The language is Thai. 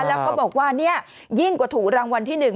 แล้วก็บอกว่าเนี่ยยิ่งกว่าถูกรางวัลที่๑